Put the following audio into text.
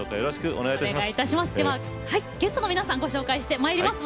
お願いいたします。